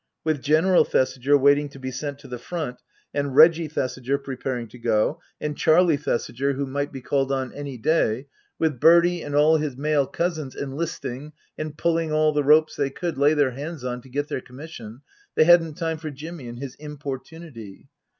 With General Thesiger waiting to be sent to the Front, and Reggie Thesiger preparing to go, and Charlie Thesiger who Book III: His Book 259 might be called on any day, with Bertie and all his male cousins enlisting and pulling all the ropes they could lay their hands on to get their commissions, they hadn't time for Jimmy and his importunity.